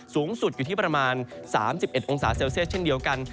สูงสุดอยู่ที่ประมาณ๓๑องศาเซลเซียสเช่นเดียวกัน